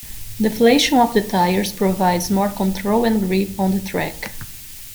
Deflation of the tires provides more control and grip on the track.